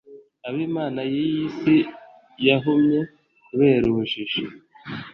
abo imana y’iyi si yahumye kubera ubujiji